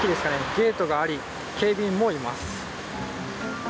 ゲートがあり警備員もいます。